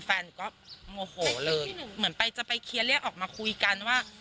แฟนก็โง่โหเลยเหมือนก็ไปเคียนเรียกออกมาคุยกันทั้งว่า